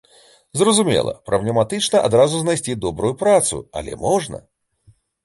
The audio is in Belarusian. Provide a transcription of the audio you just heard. Зразумела, праблематычна адразу знайсці добрую працу, але можна.